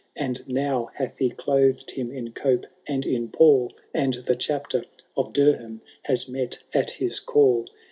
And now hath he clothed him in cope and in pall. And the Chapter of Durham has met at his call.